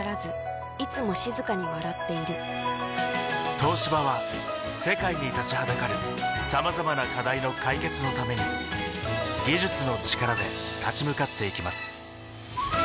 東芝は世界に立ちはだかるさまざまな課題の解決のために技術の力で立ち向かっていきます